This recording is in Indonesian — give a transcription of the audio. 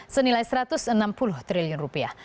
senilai satu ratus enam puluh triliun rupiah